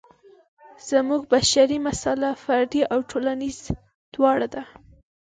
زموږ بشري مساله فردي او ټولنیزه دواړه ده.